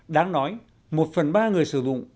đáng nói một phần ba người sử dụng